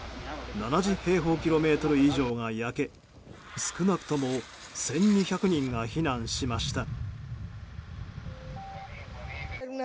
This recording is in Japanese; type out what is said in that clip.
７０平方キロメートル以上が焼け少なくとも１２００人が避難しました。